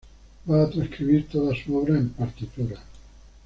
Va a transcribir toda su obra en partitura.